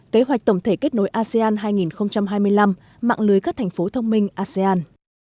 kế hoạch tổng thể kết nối asean hai nghìn hai mươi năm mạng lưới các thành phố thông minh asean